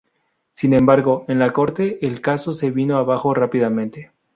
Sin embargo, en la corte el caso se vino abajo rápidamente.